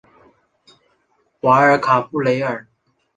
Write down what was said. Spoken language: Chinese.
瓦尔卡布雷尔。